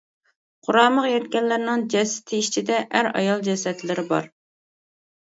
قۇرامىغا يەتكەنلەرنىڭ جەسىتى ئىچىدە ئەر ئايال جەسەتلىرى بار.